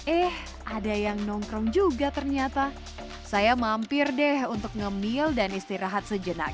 eh ada yang nongkrong juga ternyata saya mampir deh untuk ngemil dan istirahat sejenak